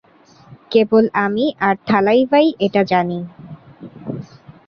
কেবল আমি আর থালাইভা-ই এটা জানি।